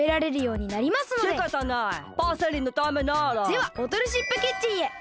ではボトルシップキッチンへ。